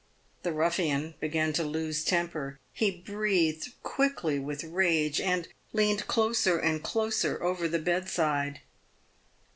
The ruffian began to lose temper. He breathed quickly with rage, and leaned closer and closer over the bedside.